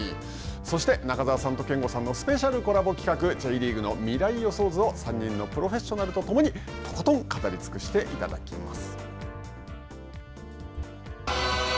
そして、中澤さんと憲剛さんのスペシャルコラボ企画Ｊリーグの未来予想図を３人のプロフェッショナルとともにとことん語り尽くしていただきます。